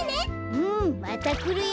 うんまたくるよ。